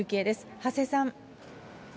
長谷さん。